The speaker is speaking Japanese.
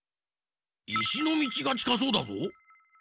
いしのみちがちかそうだぞ。